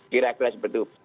kira kira seperti itu